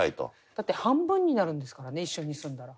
だって半分になるんですからね一緒に住んだら。